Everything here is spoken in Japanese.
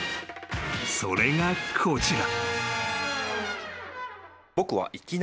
それがこちら］